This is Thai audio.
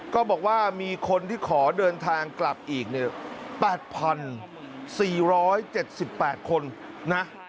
ก็บอกว่ามีคนที่ขอเดินทางกลับอีก๘๔๗๘คนนะ